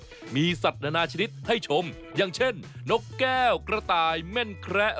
สัตว์มีสัตว์นานาชนิดให้ชมอย่างเช่นนกแก้วกระต่ายแม่นแคระ